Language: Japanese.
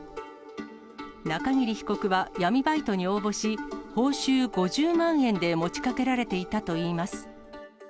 中桐被告は闇バイトに応募し、報酬５０万円で持ちかけられていたといいます。